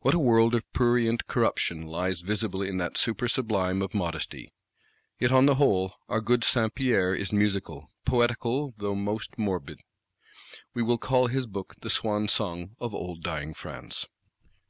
What a world of prurient corruption lies visible in that super sublime of modesty! Yet, on the whole, our good Saint Pierre is musical, poetical though most morbid: we will call his Book the swan song of old dying France.